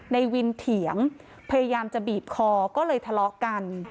ในวินเถียงพยายามจะบีบคอก็เลยทะเลาะกัน